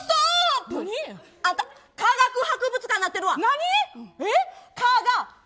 あんたかがく博物館なってるわ。